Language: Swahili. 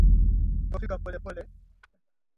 Kudhoofika polepole